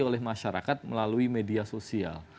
oleh masyarakat melalui media sosial